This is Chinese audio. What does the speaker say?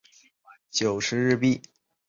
九十日币